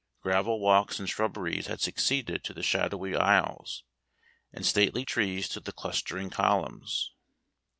Gravel walks and shrubberies had succeeded to the shadowy isles, and stately trees to the clustering columns.